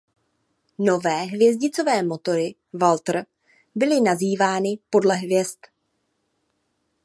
Nové hvězdicové motory Walter byly nazývány podle hvězd.